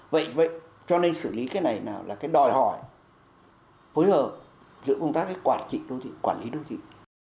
vậy cho nên xử lý cái này là cái đòi hỏi phối hợp giữa phương tác quản trị đô thịnh quản lý đô thịnh